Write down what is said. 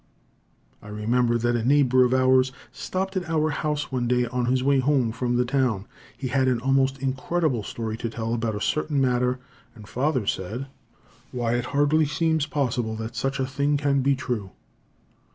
I remember that a neighbor of ours stopped at our house one day on his way home from the town. He had an almost incredible story to tell about a certain matter, and father said: "Why, it hardly seems possible that such a thing can be true."